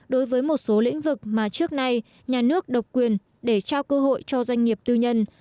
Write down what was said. đối với một số lĩnh vực mà trước nay nhà nước độc quyền để trao cơ hội cho doanh nghiệp tư nhân